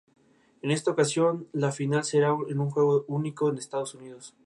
En esta ocasión la final será a un juego único en Estados Unidos.